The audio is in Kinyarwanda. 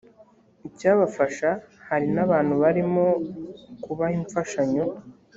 icyabafasha hari n abantu barimo kubaha imfashanyo